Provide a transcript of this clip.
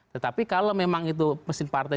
tetapi kalau memang itu mesin partai